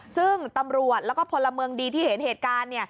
ซึ่งตำรวจแล้วก็พลเมืองดีที่เห็นเหตุการณ์